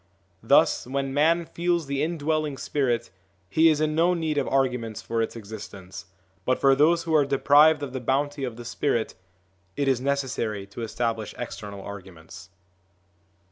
Thus, when man feels the indwelling spirit, he is in no need of arguments for its existence; but for those who are deprived of the bounty of the spirit, it is necessary to establish external arguments.